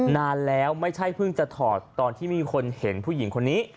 นานแล้วไม่ใช่เพิ่งจะถอดตอนที่มีคนเห็นผู้หญิงคนนี้